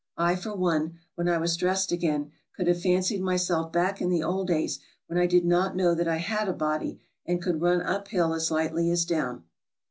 I, for one, when I was dressed again, could have fancied myself back in the old days when I did not know that I had a body, and could run up hill as lightly as down.